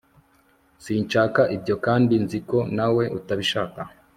sinshaka ibyo kandi nzi ko nawe utabishaka